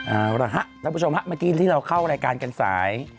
เอาละฮะท่านผู้ชมฮะเมื่อกี้ที่เราเข้ารายการกันสาย